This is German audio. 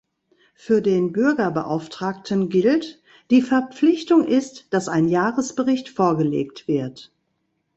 Für den Bürgerbeauftragten gilt die Verpflichtung ist, dass ein Jahresbericht vorgelegt wird.